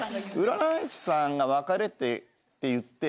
占い師さんが別れてって言って。